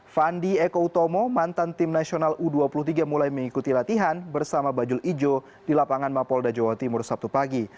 fandi eko utomo mantan tim nasional u dua puluh tiga mulai mengikuti latihan bersama bajul ijo di lapangan mapolda jawa timur sabtu pagi